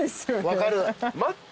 分かる。